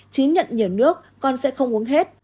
chứ nhận nhiều nước con sẽ không uống hết